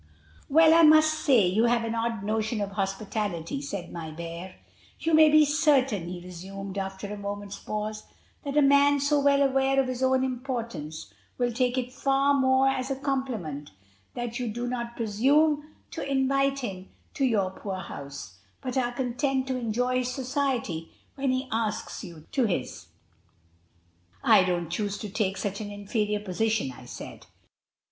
"Well, I must say you have an odd notion of hospitality," said my bear. "You may be certain," he resumed, after a moment's pause, "that a man so well aware of his own importance will take it far more as a compliment that you do not presume to invite him to your house, but are content to enjoy his society when he asks you to his." "I don't choose to take such an inferior position," I said.